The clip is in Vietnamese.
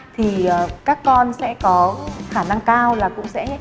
thì các con sẽ có khả năng cao là cũng sẽ